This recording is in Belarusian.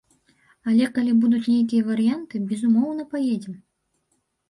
Але калі будуць нейкія варыянты, безумоўна, паедзем.